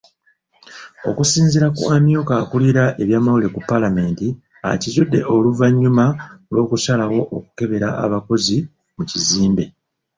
Okusinziira ku amyuka akulira ebyamawulire ku Paalamenti, akizudde oluvannyuma lw'okusalawo okukebera abakozi mu kizimbe.